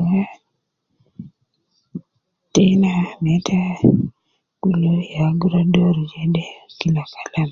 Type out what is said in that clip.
Ehh Tena me ta kulu ya guruwa dooru jede Kila kalam